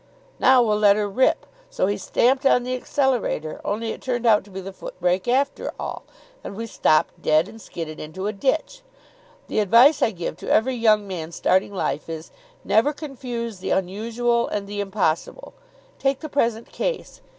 'Now we'll let her rip.' So he stamped on the accelerator. Only it turned out to be the foot brake after all, and we stopped dead, and skidded into a ditch. The advice I give to every young man starting life is: 'Never confuse the unusual and the impossible.' Take the present case.